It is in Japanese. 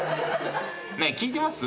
ねえ聞いてます？